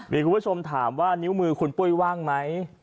มีคุณผู้ชมถามว่านิ้วมือคุณปุ้ยว่างไหม